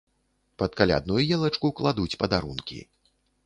Пад калядную елачку кладуць падарункі.